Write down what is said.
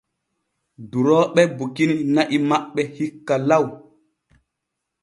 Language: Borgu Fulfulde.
Durooɓe bukini na'i maɓɓe hikka law.